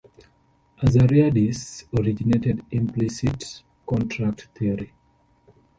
Azariadis originated implicit contract theory.